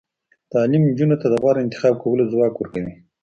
تعلیم نجونو ته د غوره انتخاب کولو ځواک ورکوي.